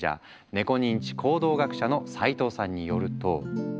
ネコ認知行動学者の齋藤さんによると。